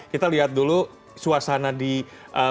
kita lihat dulu suasana di jepang